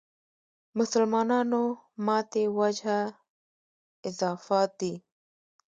مسلمانانو ماتې وجه اضافات دي.